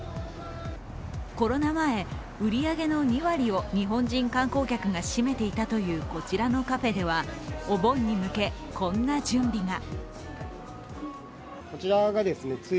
コロナ前、売上の２割を日本人観光客が占めていたというこちらのカフェではお盆に向けこんな準備が。